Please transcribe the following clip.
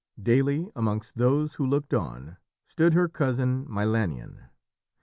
Daily, amongst those who looked on, stood her cousin Milanion.